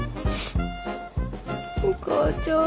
お母ちゃん。